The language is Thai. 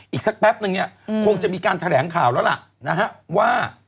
อีกสักแป๊บนึงคงจะมีการแถลงข่าวแล้วล่ะว่า